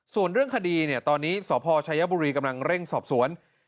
ส่วนเรื่องคดีเนี่ยตอนนี้สพชายบุรีกำลังเร่งสอบสวน